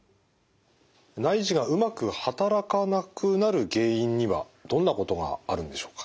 内耳がうまく働かなくなる原因にはどんなことがあるんでしょうか？